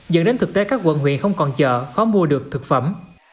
dẫn đến thực tế các quận huyện không còn chợ khó mua được thực phẩm